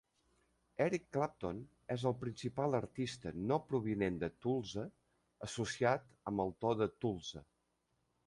Eric Clapton és el principal artista no provinent de Tulsa associat amb el so de Tulsa.